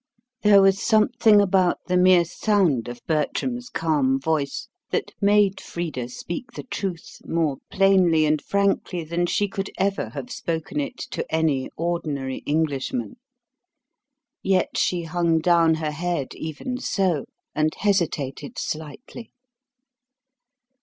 There was something about the mere sound of Bertram's calm voice that made Frida speak the truth more plainly and frankly than she could ever have spoken it to any ordinary Englishman. Yet she hung down her head, even so, and hesitated slightly.